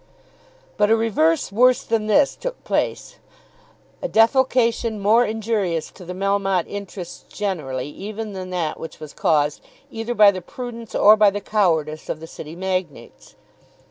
But a reverse worse than this took place; a defalcation more injurious to the Melmotte interests generally even than that which was caused either by the prudence or by the cowardice of the City Magnates.